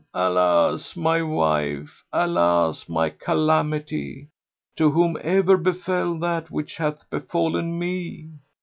Alas, my wife! Alas, my calamity! To whom ever befel that which hath befallen me?"